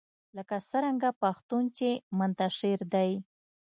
لکه څرنګه پښتون چې منتشر دی